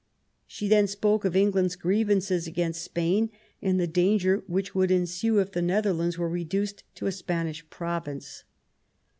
She then spoke of England's grievances against Spain, and the danger which would ensue if the Netherlands were reduced to a Spanish province.